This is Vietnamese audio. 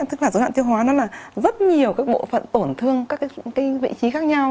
tức là dối loạn tiêu hóa rất nhiều bộ phận tổn thương các vị trí khác nhau